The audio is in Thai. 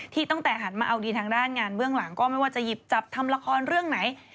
ตั้งแต่หันมาเอาดีทางด้านงานเบื้องหลังก็ไม่ว่าจะหยิบจับทำละครเรื่องไหน